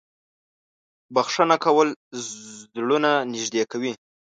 • بښنه کول زړونه نږدې کوي.